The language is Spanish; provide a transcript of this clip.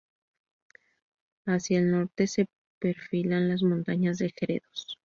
Hacia el norte se perfilan las montañas de Gredos.